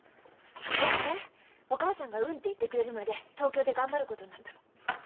私ねお母さんが「うん」って言ってくれるまで東京で頑張ることになったの。